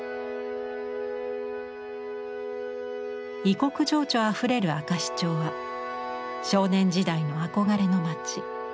異国情緒あふれる明石町は少年時代の憧れの町。